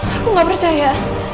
aku gak percaya